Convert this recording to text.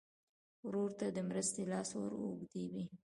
ورور ته د مرستې لاس ور اوږدوې.